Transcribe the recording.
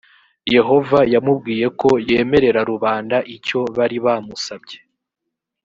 yehova yamubwiye ko yemerera rubanda icyo bari bamusabye